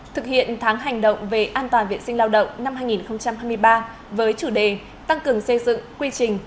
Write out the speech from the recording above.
thực hiện tháng hành động về an toàn viện sinh lao động năm hai nghìn hai mươi ba với chủ đề tăng cường xây dựng quy trình